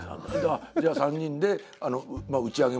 じゃあ３人で打ち上げもやる？